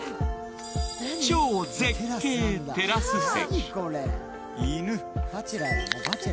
超絶景テラス席。